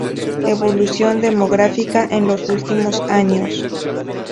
Evolución demográfica en los últimos años.